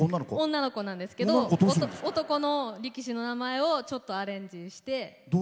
女の子なんですけど、男の力士の名前をちょっとアレンジして。